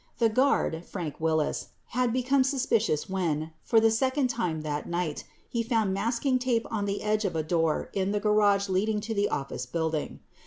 4 The guard, Frank Wills, had become suspicious when, for the second time that night, he found masking tape on the edge of a door in the garage leading to the office building.